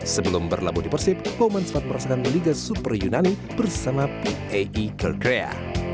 sebelum berlabuh di persib baumann sempat merasakan liga super yunani bersama pae caldrea